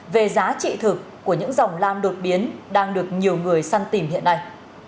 về giá trị thực của những dòng lam đột biến đang được nhiều người săn tìm hiện nay